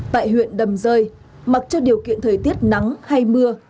tại huyện đầm rơi mặc cho điều kiện thời tiết nắng hay mưa